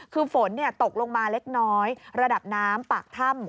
คือฝนตกลงมาเล็กน้อยระดับน้ำปากถ้ำ